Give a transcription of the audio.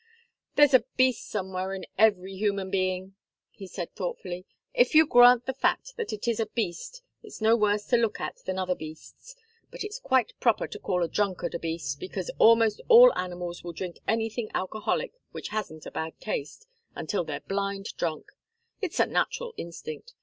"There's a beast somewhere, in every human being," he said, thoughtfully. "If you grant the fact that it is a beast, it's no worse to look at than other beasts. But it's quite proper to call a drunkard a beast, because almost all animals will drink anything alcoholic which hasn't a bad taste, until they're blind drunk. It's a natural instinct.